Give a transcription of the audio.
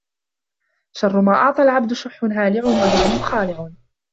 شَرُّ مَا أُعْطَى الْعَبْدُ شُحٌّ هَالِعٌ وَجُبْنٌ خَالِعٌ